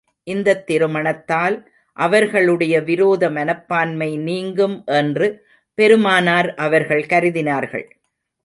இந்தத் திருமணத்தால், அவர்களுடைய விரோத மனப்பான்மை நீங்கும் என்று பெருமானார் அவர்கள் கருதினார்கள்.